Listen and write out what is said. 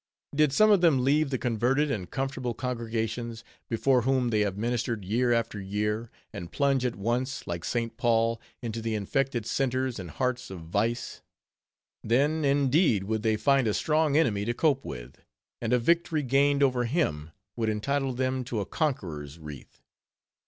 Did some of them leave the converted and comfortable congregations, before whom they have ministered year after year; and plunge at once, like St. Paul, into the infected centers and hearts of vice: then indeed, would they find a strong enemy to cope with; and a victory gained over him, would entitle them to a conqueror's wreath.